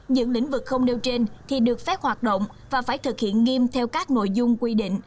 những lĩnh vực không nêu trên thì được phép hoạt động và phải thực hiện nghiêm theo các nội dung quy định